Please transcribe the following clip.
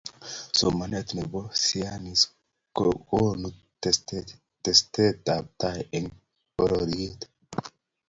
somanet ne bo siyanis kokonu teset ab tai eng pororiet